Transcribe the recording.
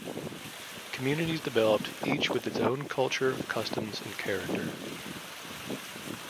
Communities developed each with its own culture, customs, and character.